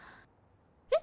えっ？